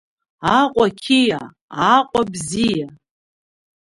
Аҟәа қьиа, Аҟәа бзиа.